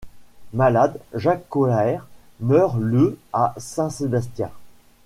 Malade, Jacques Colaert meurt le à Saint-Sébastien.